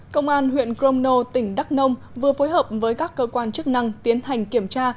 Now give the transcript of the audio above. công an huyện cromno tỉnh đắk nông vừa phối hợp với các cơ quan chức năng tiến hành kiểm tra